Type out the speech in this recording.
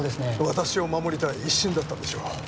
私を守りたい一心だったんでしょう。